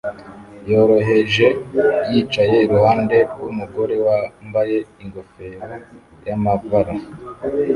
yoroheje yicaye iruhande rwumugore wambaye ingofero yamabara